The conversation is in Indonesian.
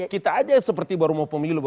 kita aja seperti baru mau pemilu